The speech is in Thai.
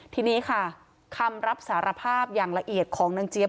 ทีนี้ค่ะคำรับสารภาพอย่างละเอียดของนางเจี๊ย